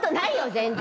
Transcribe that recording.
全然。